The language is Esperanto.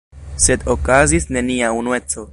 Sed okazis nenia unueco.